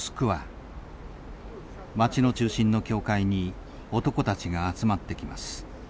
街の中心の教会に男たちが集まってきます。